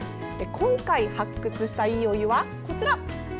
今回、発掘したいいお湯はこちら。